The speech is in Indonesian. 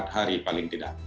hari paling tidak